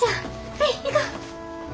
はい行こ。